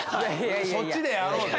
そっちでやろうぜ。